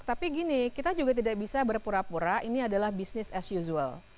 tapi gini kita juga tidak bisa berpura pura ini adalah business as usual